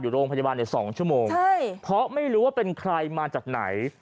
โรงพยาบาลในสองชั่วโมงใช่เพราะไม่รู้ว่าเป็นใครมาจากไหน